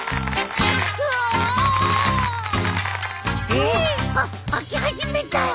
えっ？あっ開き始めたよ。